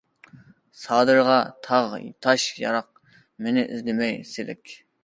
سادىرغا تاغ-تاش ياراق، مېنى ئىزدىمەي سېلىك.